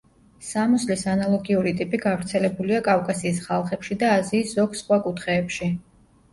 სამოსლის ანალოგიური ტიპი გავრცელებულია კავკასიის ხალხებში და აზიის ზოგ სხვა კუთხეებში.